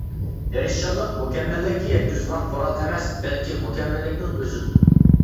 تىرىشچانلىق مۇكەممەللىككە يەتكۈزىدىغان قورال ئەمەس، بەلكى مۇكەممەللىكنىڭ ئۆزىدۇر.